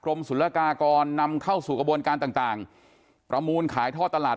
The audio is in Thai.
สุรกากรนำเข้าสู่กระบวนการต่างต่างประมูลขายท่อตลาด